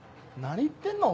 何言ってんの？